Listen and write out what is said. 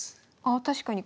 あ確かに。